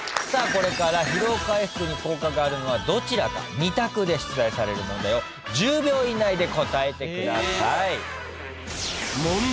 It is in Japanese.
これから疲労回復に効果があるのはどちらか２択で出題される問題を１０秒以内で答えてください。